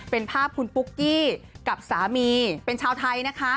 เป็นภาพคุณปุ๊กกี้กับสามีเป็นชาวไทยนะคะ